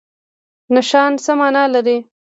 نښان څه مانا لري؟